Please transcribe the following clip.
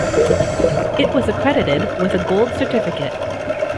It was accredited with a gold certificate.